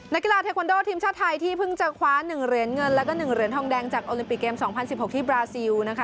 นักกีฬาเทควันโดทีมชาติไทยที่เพิ่งจะคว้า๑เหรียญเงินแล้วก็๑เหรียญทองแดงจากโอลิมปิกเกม๒๐๑๖ที่บราซิลนะคะ